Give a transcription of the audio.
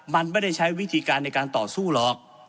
มันไม่ได้ใช้วิธีการในการต่อสู้หรอก